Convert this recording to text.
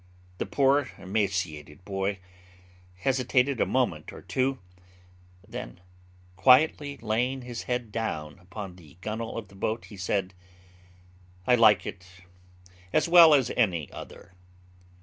The poor emaciated boy hesitated a moment or two; then, quietly laying his head down upon the gunnel of the boat, he said, "_I like it as well as any other."